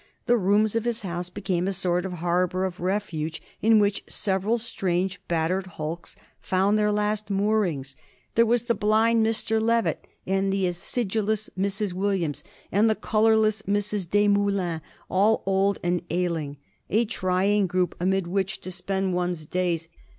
The rooms of his house became a sort of harbour of refuge in which several strange battered hulks found their last moorings. There were the blind Mr. Levett, and the acidulous Mrs. Williams, and the colourless Mrs. De Moulins, all old and ailing—a trying group amid which to spend one's days.